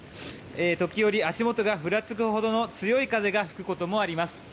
時折、足元がふらつくほどの強い風が吹くこともあります。